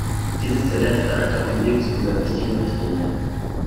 Dies ist der letzte Akt auf dem Weg zu dieser wichtigen Richtlinie.